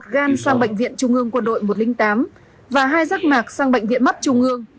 gan sang bệnh viện trung ương quân đội một trăm linh tám và hai giác mạc sang bệnh viện mắt trung ương